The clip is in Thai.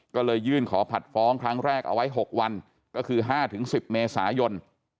ก็เลยยื่นขอผัดฟ้องครั้งแรกเอาไว้๖วันก็คือ๕๑๐เมษายน